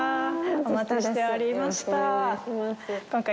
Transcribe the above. お待ちしておりました。